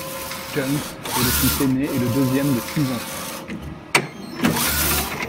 Jones est le fils aîné et le deuxième de six enfants.